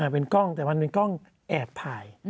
เป็นกล้องแต่วันหนึ่งกล้องแอบถ่าย